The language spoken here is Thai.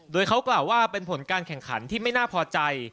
โดยเขากล่าวว่าเป็นผลการแข่งขันที่ไม่น่าพอใจ